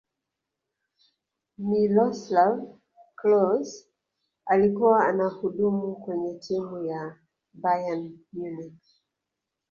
miloslav klose alikuwa anahudumu kwenye timu ya bayern munich